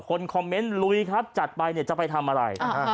คนคอมเมนต์ลุยครับจัดไปเนี่ยจะไปทำอะไร